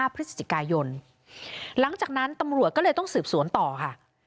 พฤศจิกายนหลังจากนั้นตำรวจก็เลยต้องสืบสวนต่อค่ะ